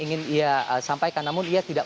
ingin ia sampaikan namun ia tidak